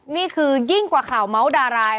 นี่คือยิ่งกว่าข่าวเมาส์ดาราย